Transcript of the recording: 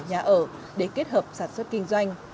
nhà ở để kết hợp sản xuất kinh doanh